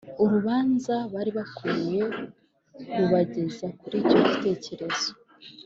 Urubanza bari bakwiye rubageza kuri icyo gitekerezo,